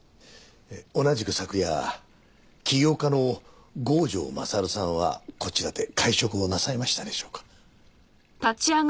同じく昨夜起業家の郷城勝さんはこちらで会食をなさいましたでしょうか？